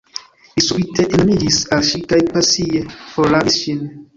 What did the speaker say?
Li subite enamiĝis al ŝi kaj pasie forrabis ŝin.